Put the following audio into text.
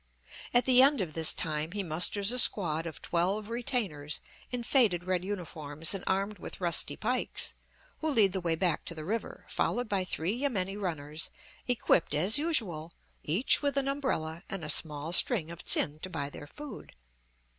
At the end of this time he musters a squad of twelve retainers in faded red uniforms and armed with rusty pikes, who lead the way back to the river, followed by three yameni runners, equipped, as usual, each with an umbrella and a small string of tsin to buy their food.